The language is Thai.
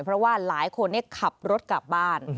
เพราะว่าหลายคนขับรถกลับบ้าน